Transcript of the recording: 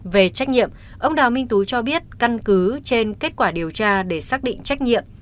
về trách nhiệm ông đào minh tú cho biết căn cứ trên kết quả điều tra để xác định trách nhiệm